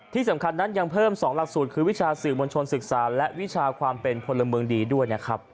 ที่สำคัญนั้นยังเพิ่ม๒หลักสูตรคือวิชาสื่อมวลชนศึกษาและวิชาความเป็นพลเมืองดีด้วยนะครับ